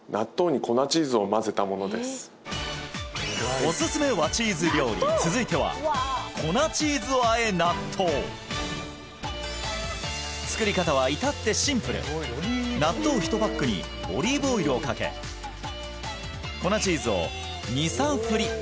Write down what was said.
おすすめ和チーズ料理続いては作り方は至ってシンプル納豆１パックにオリーブオイルをかけ粉チーズを２３フリ